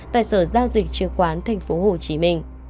tại sở giao dịch chứng khoán tp hcm